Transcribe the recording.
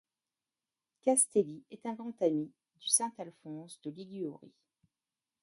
Castelli est un grand ami du Saint Alphonse de Liguori.